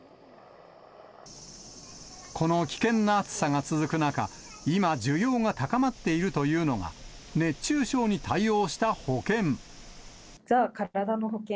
この危険な暑さが続く中、今、需要が高まっているというのが、熱中症に対応した保険。